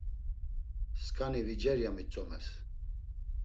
Skani vicer ya mitzomes.